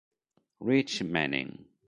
Rich Manning